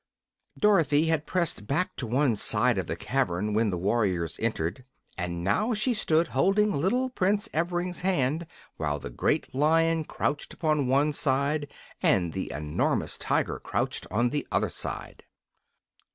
Dorothy had pressed back to one side of the cavern when the warriors entered, and now she stood holding little Prince Evring's hand while the great Lion crouched upon one side and the enormous Tiger crouched on the other side.